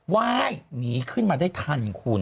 ไหว้หนีขึ้นมาได้ทันคุณ